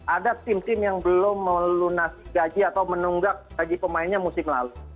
ada tim tim yang belum melunasi gaji atau menunggak gaji pemainnya musim lalu